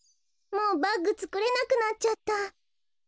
もうバッグつくれなくなっちゃった。